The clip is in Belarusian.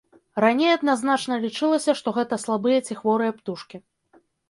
Раней адназначна лічылася, што гэта слабыя ці хворыя птушкі.